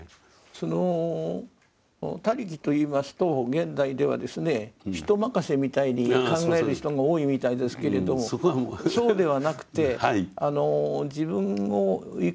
その「他力」と言いますと現代ではですね人任せみたいに考える人が多いみたいですけれどそうではなくて自分を生かして下さっている命の働き。